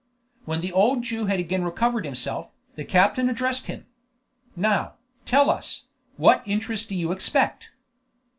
When the old Jew had again recovered himself, the captain addressed him. "Now, tell us, what interest do you expect?"